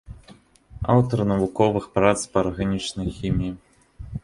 Аўтар навуковых прац па арганічнай хіміі.